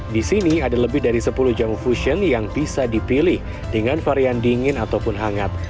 di sini ada lebih dari sepuluh jamu fusion yang bisa dipilih dengan varian dingin ataupun hangat